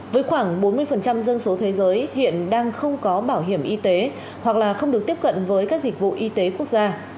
với khoảng bốn mươi dân số thế giới hiện đang không có bảo hiểm y tế hoặc là không được tiếp cận với các dịch vụ y tế quốc gia